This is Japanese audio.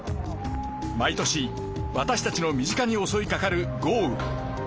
毎年私たちの身近におそいかかる豪雨。